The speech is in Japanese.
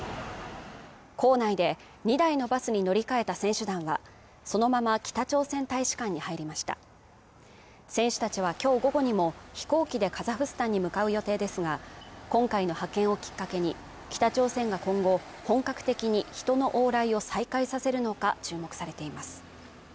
構内で２台のバスに乗り換えた選手団がそのまま北朝鮮大使館に入りました選手たちはきょう午後にも飛行機でカザフスタンに向かう予定ですが今回の派遣をきっかけに北朝鮮が今後本格的に人の往来を再開させるのか注目されています